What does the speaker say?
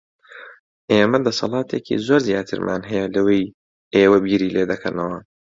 ئێمە دەسەڵاتێکی زۆر زیاترمان هەیە لەوەی ئێوە بیری لێ دەکەنەوە.